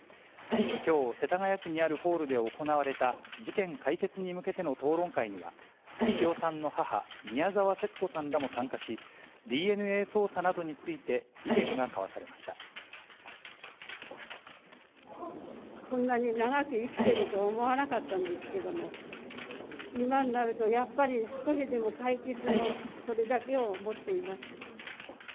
きょう、世田谷区にあるホールで行われた事件解決に向けての討論会には、みきおさんの母、宮沢節子さんらも参加し、ＤＮＡ捜査などについこんなに長く生きてると思わなかったんですけども、今になるとやっぱり、少しでも解決の、それだけを思っています。